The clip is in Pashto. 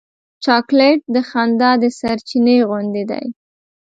چاکلېټ د خندا د سرچېنې غوندې دی.